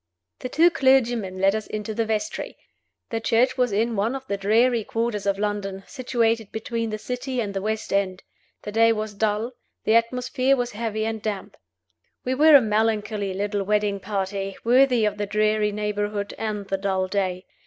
The two clergymen led us into the vestry. The church was in one of the dreary quarters of London, situated between the City and the West End; the day was dull; the atmosphere was heavy and damp. We were a melancholy little wedding party, worthy of the dreary neighborhood and the dull day.